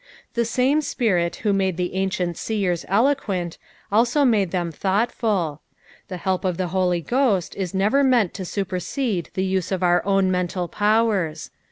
The same Bpirit who made the ancient seen eloquent, also made them thoaght fuL The help of the Hoi; Ghost was nerer meant to supersede the use of our own mental powers.